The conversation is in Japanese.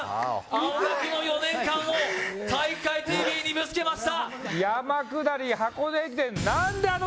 青学の４年間を体育会ＴＶにぶつけました